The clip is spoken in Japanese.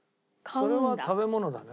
それは食べ物だね。